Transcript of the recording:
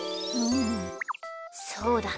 そうだね。